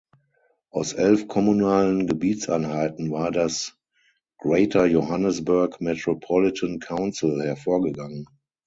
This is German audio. Aus elf kommunalen Gebietseinheiten war das "Greater Johannesburg Metropolitan Council" hervorgegangen.